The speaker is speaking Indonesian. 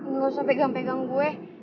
nggak usah pegang pegang gue